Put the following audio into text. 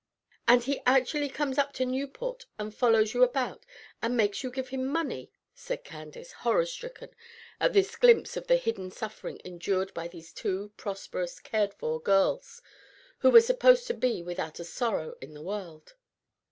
"And he actually comes up to Newport, and follows you about, and makes you give him money!" said Candace, horror stricken at this glimpse of the hidden suffering endured by these two prosperous, cared for girls, who were supposed to be without a sorrow in the world.